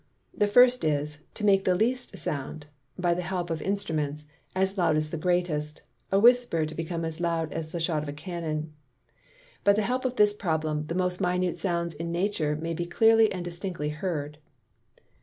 The first is, To make the least Sound (by the help of Instruments) as loud as the greatest; a whisper to become as loud as the shot of a Cannon. By the help of this Problem, the most minute Sounds in Nature may be clearly and distinctly heard.